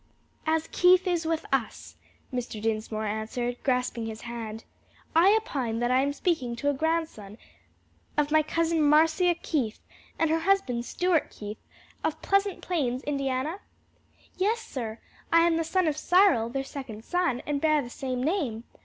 "As Keith is with us," Mr. Dinsmore answered, grasping his hand. "I opine that I am speaking to a grandson of my cousin Marcia Keith and her husband, Stuart Keith, of Pleasant Plains, Indiana?" "Yes, sir; I am the son of Cyril, their second son, and bear the same name.